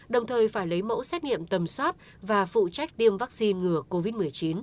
đồng thời phải lấy mẫu xét nghiệm tầm soát và phụ trách tiêm vaccine ngừa covid một mươi chín